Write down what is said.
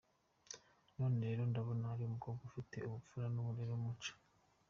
None rero ndabona uri umukobwa ufite ubupfura, uburere n’umuco.